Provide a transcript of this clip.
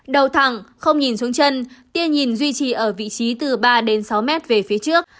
đầu thẳng không nhìn xuống chân tia nhìn duy trì ở vị trí từ ba đến sáu mét về phía trước